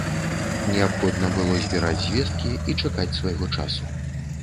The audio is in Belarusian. Неабходна было збіраць звесткі і чакаць свайго часу.